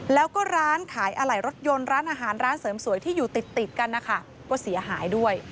แล้วก็ร้านขายอะไหล่รถยนต์ร้านอาหารร้านเสริมสวยที่อยู่ติดกันนะคะก็เสียหายด้วย